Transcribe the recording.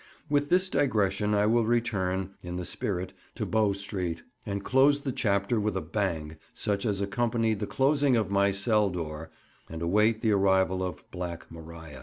With this digression I will return (in the spirit) to Bow Street, and close the chapter with a bang such as accompanied the closing of my cell door, and await the arrival of "Black Maria."